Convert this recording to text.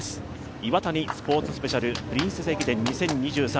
Ｉｗａｔａｎｉスポーツスペシャルプリンセス駅伝２０２３。